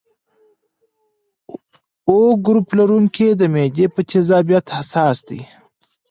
O ګروپ لرونکي د معدې په تیزابیت حساس دي.